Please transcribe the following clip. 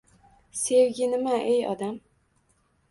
— Sevgi nima, ey odam?